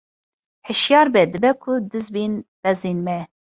Hişyar be dibe ku diz bên pezên me!